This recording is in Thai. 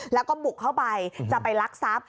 แล้วก็บุกเข้าไปจะไปลักทรัพย์